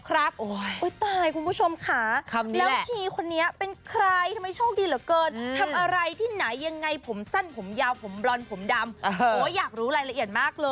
ร้องให้หนักมาก